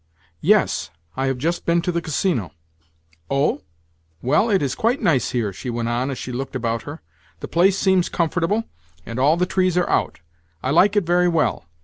"Yes. I have just been to the Casino." "Oh? Well, it is quite nice here," she went on as she looked about her. "The place seems comfortable, and all the trees are out. I like it very well.